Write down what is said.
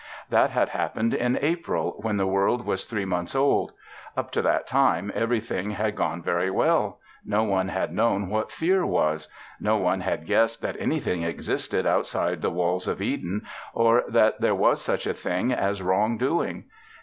That had happened in April, when the world was three months old. Up to that time everything had gone very well. No one had known what fear was. No one had guessed that anything existed outside the walls of Eden or that there was such a thing as wrong doing.